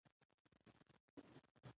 زده کړه نجونو ته د سیرت النبي درس ورکوي.